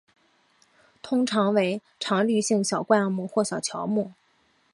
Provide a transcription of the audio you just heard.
通常为常绿性小灌木或小乔木。